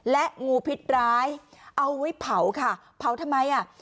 และงูพิษร้ายเอาไว้เผาค่ะเผาทำไมอ่ะ